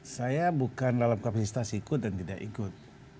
saya bukan dalam kapasitas ikut dan tidak ikut